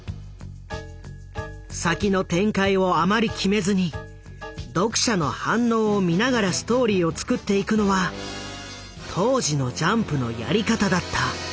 先の展開をあまり決めずに読者の反応を見ながらストーリーを作っていくのは当時のジャンプのやり方だった。